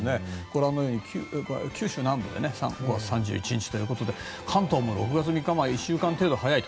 ご覧のように九州南部で３１日ということで関東も６月３日１週間程度早い。